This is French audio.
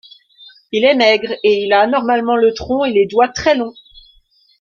Il est maigre et il a anormalement le tronc et les doigts très longs.